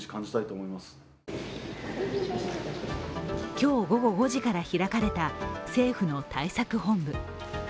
今日、午後５時から開かれた政府の対策本部。